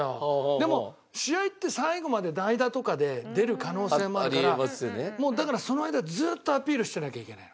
でも試合って最後まで代打とかで出る可能性もあるからもうだからその間ずっとアピールしてなきゃいけないの。